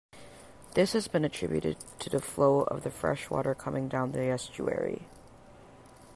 This has been attributed to the flow of the freshwater coming down the estuary.